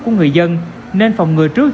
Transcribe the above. của người dân nên phòng người trước